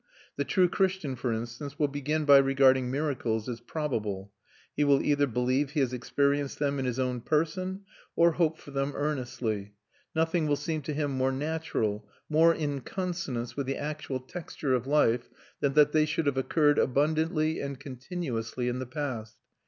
The true Christian, for instance, will begin by regarding miracles as probable; he will either believe he has experienced them in his own person, or hope for them earnestly; nothing will seem to him more natural, more in consonance with the actual texture of life, than that they should have occurred abundantly and continuously in the past.